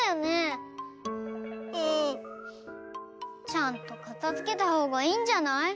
ちゃんとかたづけたほうがいいんじゃない？